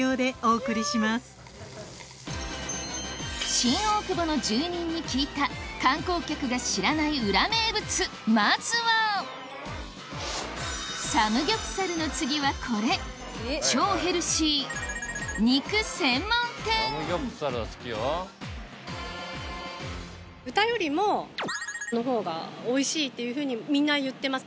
新大久保の住人に聞いた観光客が知らない裏名物まずはサムギョプサルの次はこれ豚よりもの方がおいしいっていうふうにみんな言ってます。